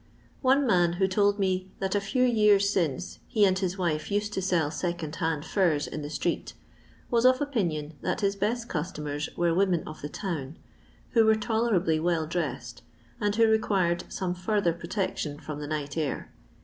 One man, who told me that a few years since he and hi« wife used to sell second hand furs in the street, was of opinion that his best customers were women of the town, who were tolerably well dressed, and who required some farther protection from the night air.